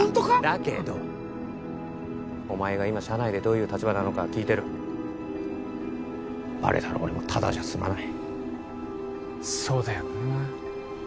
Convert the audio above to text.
だけどお前が今社内でどういう立場なのかは聞いてるバレたら俺もただじゃすまないそうだよな